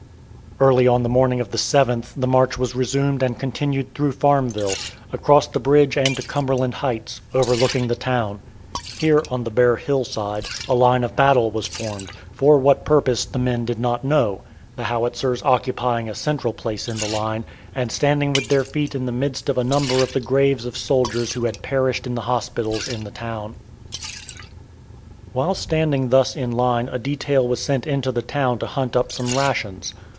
Early on the morning of the 7th the march was resumed and continued through Farmville, across the bridge and to Cumberland Heights, overlooking the town. Here, on the bare hill side, a line of battle was formed, for what purpose the men did not know the Howitzers occupying a central place in the line, and standing with their feet in the midst of a number of the graves of soldiers who had perished in the hospitals in the town. While standing thus in line a detail was sent into the town to hunt up some rations.